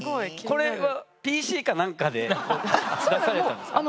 これはＰＣかなんかで出されたんですか？